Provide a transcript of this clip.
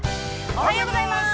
◆おはようございます。